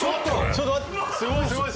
ちょっと待って。